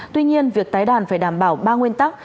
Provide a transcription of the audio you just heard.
tuy nhiên việc tái đàn phải đảm bảo ba nguyên tắc